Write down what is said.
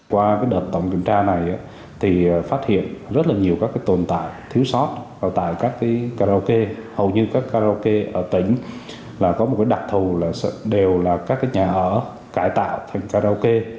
qua đợt tổng kiểm tra này thì phát hiện rất là nhiều các tồn tại thiếu sót ở tại các karaoke hầu như các karaoke ở tỉnh là có một đặc thù đều là các nhà ở cải tạo thành karaoke